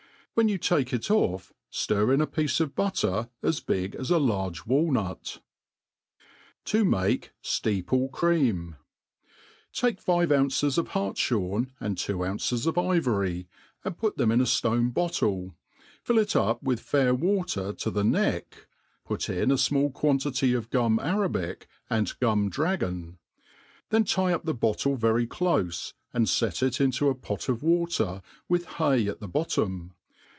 When you take it oS^ ftir in a piece of butter as big as a large wainiit« U T9 *90 THE ART OF COOKERY To make Steiple Cnam. Take five ounces of hartfliorn^ and two ounces of hrory» and put them in a ftonc bottie, fill it up with fair water to the neck, put in a fmall quantity of gum arabic, and gum dra* goti \ then tie up the bottle very clofe, and fct it into a pot of water, with hay at the bottom.